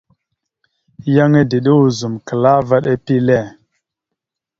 Yan edeɗa ozum klaa vaɗ epile.